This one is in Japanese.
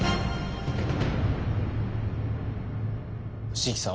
椎木さん